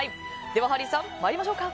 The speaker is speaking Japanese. ではハリーさん参りましょうか。